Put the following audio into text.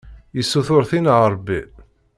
Yessutur tin a Ṛebbi.